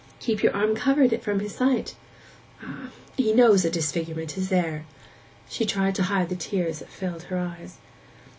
'Keep your arm covered from his sight.' 'Ah—he knows the disfigurement is there!' She tried to hide the tears that filled her eyes.